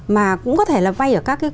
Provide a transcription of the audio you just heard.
mà cũng có thể là vay ở các cái